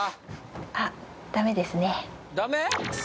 あっダメですねダメ？